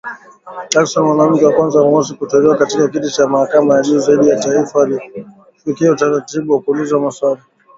Jackson, mwanamke wa kwanza mweusi kuteuliwa katika kiti cha mahakama ya juu zaidi ya taifa, alifikia utaratibu wa kuulizwa maswali .